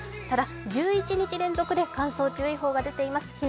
ただ、１１日連続で乾燥注意報が出ています。